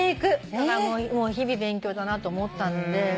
日々勉強だなと思ったので。